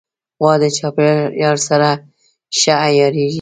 غوا د چاپېریال سره ښه عیارېږي.